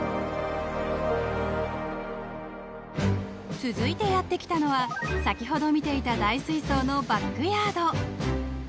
［続いてやって来たのは先ほど見ていた大水槽のバックヤード］